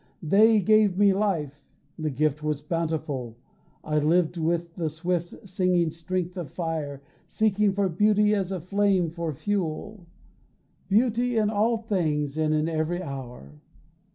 They gave me life; the gift was bountiful, I lived with the swift singing strength of fire, Seeking for beauty as a flame for fuel Beauty in all things and in every hour.